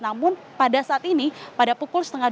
namun pada saat ini pada pukul setengah tiga